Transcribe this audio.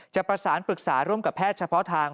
จะประสานปรึกษาร่วมกับแพทย์เฉพาะทาง